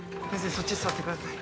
そっちに座ってください